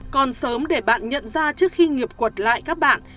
còn sớm để bạn nhận ra trước khi nghiệp quật lại các bạn